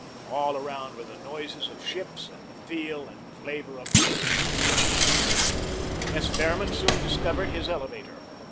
All around were the noises of ships and the feel and flavor of the sea. S. Behrman soon discovered his elevator.